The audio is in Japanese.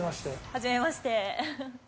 はじめまして。